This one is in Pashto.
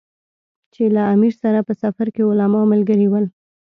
چې له امیر سره په سفر کې علما ملګري ول.